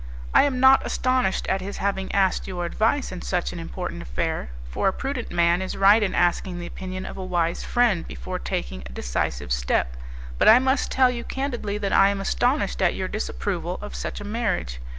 I am not astonished at his having asked your advice in such an important affair, for a prudent man is right in asking the opinion of a wise friend before taking a decisive step; but I must tell you candidly that I am astonished at your disapproval of such a marriage.